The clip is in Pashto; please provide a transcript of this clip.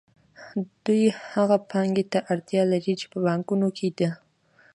دوی هغې پانګې ته اړتیا لري چې په بانکونو کې ده